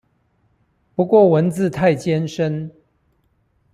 不過文字太艱深